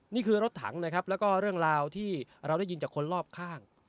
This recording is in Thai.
นี่คือรถถังนะครับแล้วก็เรื่องราวที่เราได้ยินจากคนรอบข้าง